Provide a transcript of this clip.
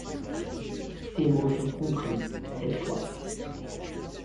Ces mots furent compris, cette fois